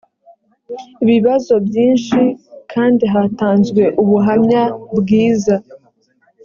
ibibazo byinshi kandi hatanzwe ubuhamya bwiza